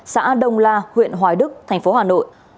xã đông la huyện hoài đức tp hà nội